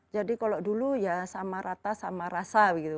jadi kalau dulu ya sama rata sama rasa gitu